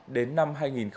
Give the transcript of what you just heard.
đến năm hai nghìn hai mươi ba